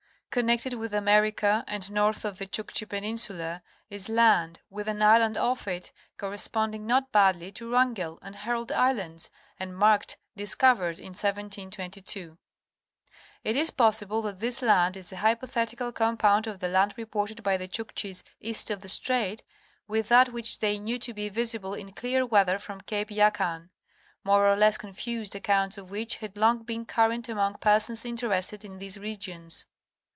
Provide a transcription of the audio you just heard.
Connected with America and north of the Chukchi peninsula is land with an island off it corresponding not badly to Wrangell and Herald Islands, and marked '' Discovered in 1722." It is possible that this land is a hypothetical compound of the land reported by the Chukchis east of the strait with that which they knew to be visible in clear weather from Cape Yakan. more or less confused accounts of which had long been current among persons interested in these regions.